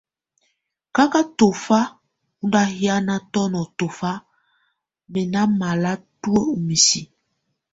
Kaka tɔfa ɔ nda hiana tɔna tɔfa mɛ na mala tuə ɔ misi.